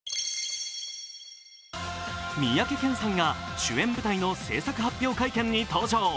三宅健さんが主演舞台の製作会見発表に登場。